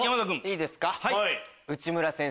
いいですか。